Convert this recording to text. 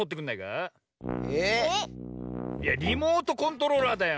いやリモートコントローラーだよ。